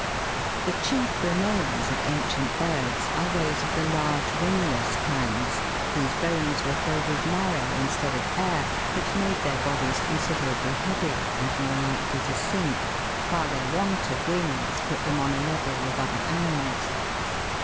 The chief remains of ancient birds are those of the large wingless kinds, whose bones were filled with marrow, instead of air, which made their bodies considerably heavier, and more likely to sink, while their want of wings put them on a level with other animals.